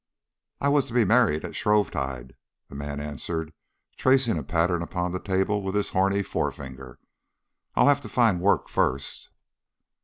"I was to be married at Shrovetide," the man answered, tracing a pattern upon the table with his horny forefinger. "I'll have to find work first."